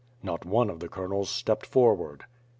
Not one of the Colonels stepped forward.